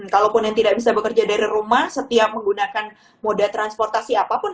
kalaupun yang tidak bisa bekerja dari rumah setiap menggunakan moda transportasi apapun